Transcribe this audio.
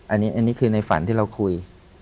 อันนี้คือในฝันที่เราคุย